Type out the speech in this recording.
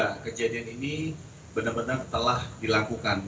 nah kejadian ini benar benar telah dilakukan